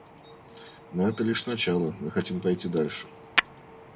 Но это лишь начало; мы хотим пойти дальше.